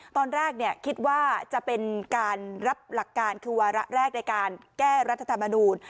ตอนแรกคิดว่าจะเป็นการรับหลักการคือวาระแรกในการแก้รัฐธรรมนูญ